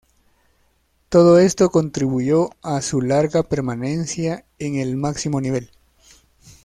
Todo esto contribuyó a su larga permanencia en el máximo nivel.